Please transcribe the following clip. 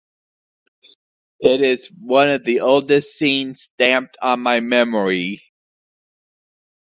It is one of the oldest scenes stamped on my memory.